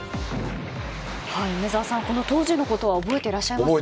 梅沢さん、この当時のことは覚えていらっしゃいますか？